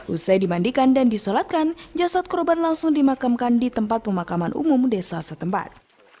usai dimandikan dan disolatkan jasad korban langsung dimakamkan di tempat pemakaman umum desa setempat